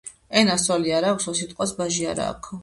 ენას ძვალი არა აქვსო, სიტყვას ბაჟი არა აქვს